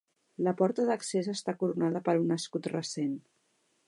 La porta d'accés està coronada per un escut recent.